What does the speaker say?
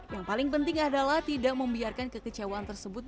yang paling penting adalah tidak membiarkan kekecewaan tersebut